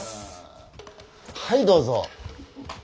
はいどうぞ。